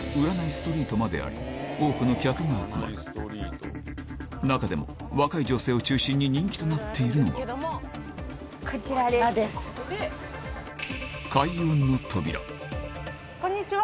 ストリートまであり多くの客が集まる中でも若い女性を中心に人気となっているのが開運の扉こんにちは！